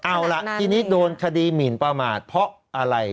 เอาละพี่นิกโดนคดีหมินประหมอดเพราะอะไร